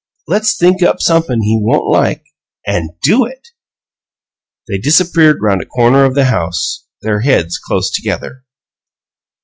"Let's think up somep'n he won't like an' DO it!" They disappeared round a corner of the house, their heads close together.